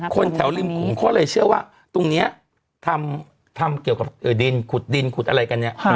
คนแถวริมขุมเขาเลยเชื่อว่าตรงนี้ทำเกี่ยวกับดินขุดดินขุดอะไรกันเนี่ย